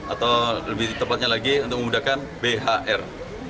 atau lebih tepatnya lagi untuk menggunakan bhr